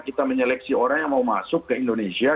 kita menyeleksi orang yang mau masuk ke indonesia